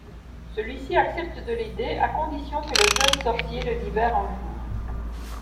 Celui-ci accepte de l'aider à condition que le jeune sorcier le libère un jour.